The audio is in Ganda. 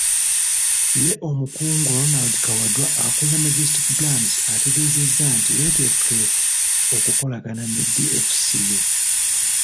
Ye omukungu Ronald Kawaddwa akulira Majestic Brands ategeezeza nti beeteefuteefu okukolagana ne DFCU.